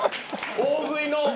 大食いの。